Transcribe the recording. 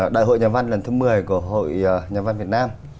đại hội nhà văn lần thứ một mươi của hội nhà văn việt nam